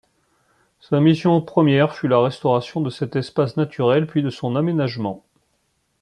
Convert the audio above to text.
Sa mission première fut la restauration de cet espace naturel puis de son aménagement.